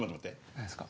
何ですか？